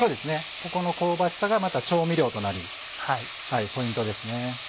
ここの香ばしさがまた調味料となりポイントですね。